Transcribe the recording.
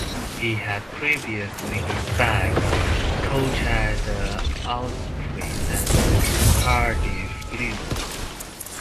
He had previously been backs coach at the Ospreys and Cardiff Blues.